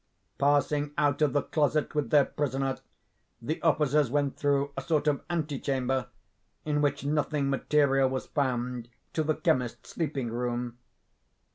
Passing out of the closet with their prisoner, the officers went through a sort of ante chamber, in which nothing material was found, to the chemist's sleeping room.